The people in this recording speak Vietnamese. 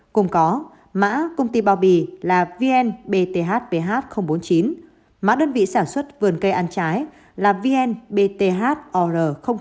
cùng có mã công ty bao bì là vnbthbh bốn mươi chín mã đơn vị sản xuất vườn cây ăn trái là vnbthor bảy